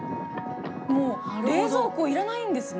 もう冷蔵庫いらないんですね。